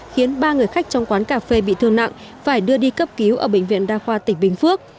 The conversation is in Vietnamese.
khiến ba người khách trong quán cà phê bị thương nặng phải đưa đi cấp cứu ở bệnh viện đa khoa tỉnh bình phước